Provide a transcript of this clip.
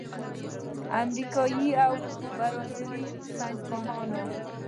امریکايي او برازیلي ساینسپوهانو